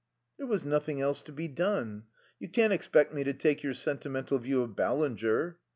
"There was nothing else to be done. You can't expect me to take your sentimental, view of Ballinger."